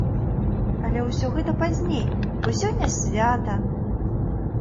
Але ўсё гэта пазней, бо сёння свята!